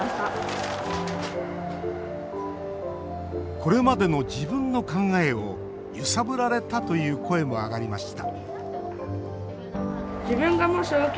これまでの自分の考えを揺さぶられたという声も上がりました